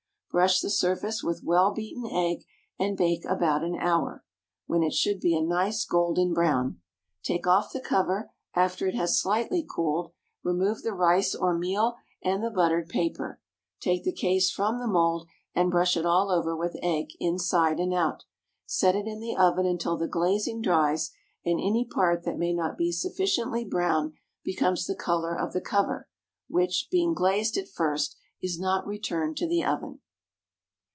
Brush the surface with well beaten egg, and bake about an hour, when it should be a nice golden brown. Take off the cover; after it has slightly cooled, remove the rice or meal and the buttered paper; take the case from the mould, and brush it all over with egg inside and out; set it in the oven until the glazing dries, and any part that may not be sufficiently brown becomes the color of the cover, which, being glazed at first, is not returned to the oven.